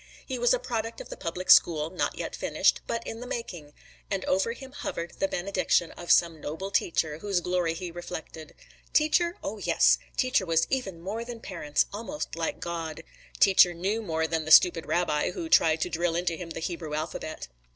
He was a product of the public school, not yet finished, but in the making; and over him hovered the benediction of some noble teacher, whose glory he reflected. "Teacher? O yes! teacher was even more than parents, almost like God. Teacher knew more than the stupid rabbi, who tried to drill into him the Hebrew alphabet."